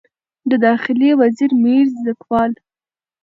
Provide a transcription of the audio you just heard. د داخلي وزیر میرزکوال